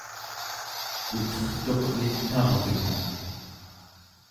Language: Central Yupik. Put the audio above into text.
utertuq elitnaurvigmek